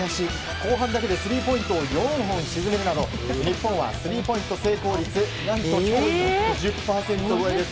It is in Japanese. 後半だけでスリーポイントを４本沈めるなど日本はスリーポイント成功率何と驚異の５０％超えです。